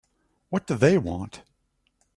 What do they want?